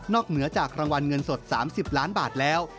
เหนือจากรางวัลเงินสด๓๐ล้านบาทแล้ว